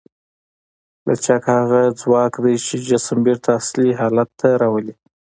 لچک هغه ځواک دی چې جسم بېرته اصلي حالت ته راولي.